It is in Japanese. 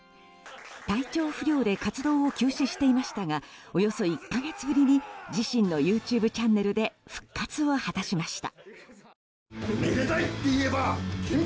体調不良で活動を休止していましたがおよそ１か月ぶりに自身のＹｏｕＴｕｂｅチャンネルで復活を果たしました。